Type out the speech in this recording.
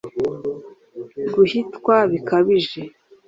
guhitwa bikabije